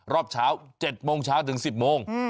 รอบเช้า๗โมงเช้าถึง๑๐โมง